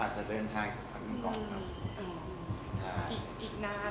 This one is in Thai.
อาจจะเดินทางอีกสัปดาห์หนึ่งก่อนครับ